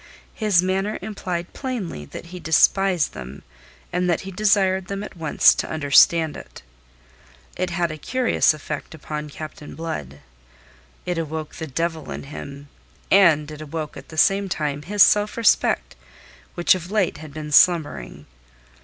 His manner implied plainly that he despised them and that he desired them at once to understand it. It had a curious effect upon Captain Blood. It awoke the devil in him, and it awoke at the same time his self respect which of late had been slumbering.